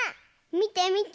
みてみて。